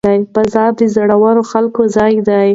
بازار د زړورو خلکو ځای دی.